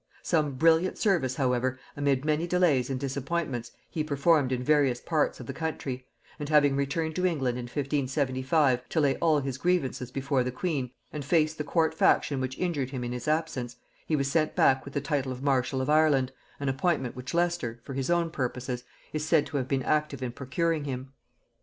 Some brilliant service, however, amid many delays and disappointments, he performed in various parts of the country; and having returned to England in 1575 to lay all his grievances before the queen, and face the court faction which injured him in his absence, he was sent back with the title of Marshal of Ireland, an appointment which Leicester, for his own purposes, is said to have been active in procuring him.